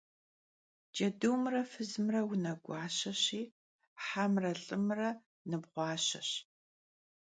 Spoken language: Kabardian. Cedumre fızımre vuneguaşeşi, hemre lh'ımre nıbğuaşeş.